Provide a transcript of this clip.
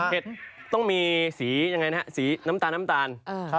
เห็ดต้องมีสีเกรียมสีน้ำตาล